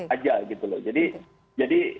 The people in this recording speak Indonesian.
aja gitu loh jadi